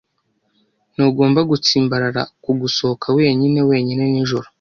Ntugomba gutsimbarara ku gusohoka wenyine wenyine nijoro.